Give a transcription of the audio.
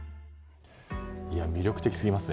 魅力的すぎますね。